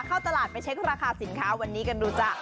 เข้าตลาดไปเช็คราคาสินค้าวันนี้กันดูจ้ะ